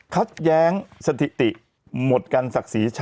คัตแย้งสถิติหมดกันสักสี